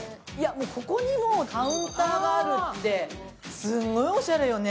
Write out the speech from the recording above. ここにもカウンターかあるって、すごいおしゃれよね。